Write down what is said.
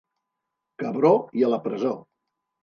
Cabró i a la presó!